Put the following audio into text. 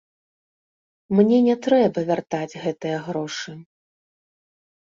Мне не трэба вяртаць гэтыя грошы.